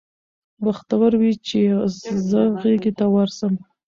بختور وي چي یې زه غیږي ته ورسم